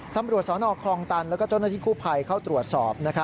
ตำรวจสนคลองตันแล้วก็เจ้าหน้าที่คู่ภัยเข้าตรวจสอบ